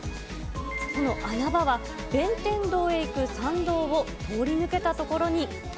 その穴場は弁天堂へ行く参道を通り抜けた所に。